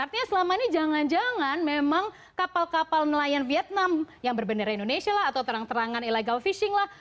artinya selama ini jangan jangan memang kapal kapal nelayan vietnam yang berbendera indonesia lah atau terang terangan illegal fishing lah